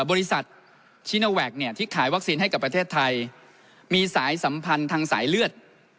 บริษัทชิโนแวคเนี่ยที่ขายวัคซีนให้กับประเทศไทยมีสายสัมพันธ์ทางสายเลือด